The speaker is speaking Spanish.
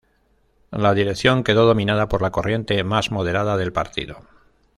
La dirección quedó dominada por la corriente más moderada del partido.